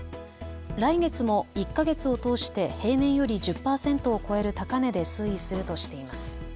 来月も１か月を通して平年より１０％を超える高値で推移するとしています。